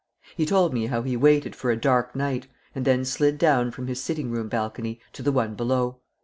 He told me how he waited for a dark night, and then slid down from his sitting room balcony to the one below.